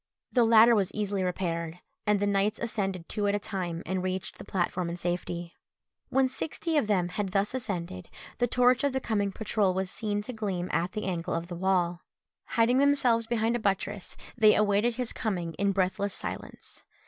The ladder was easily repaired, and the knights ascended two at a time, and reached the platform in safety. When sixty of them had thus ascended, the torch of the coming patrol was seen to gleam at the angle of the wall. Hiding themselves behind a buttress, they awaited his coming in breathless silence.